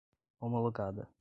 homologada